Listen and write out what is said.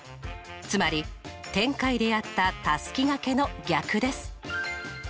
つまり展開でやったたすきがけの逆です。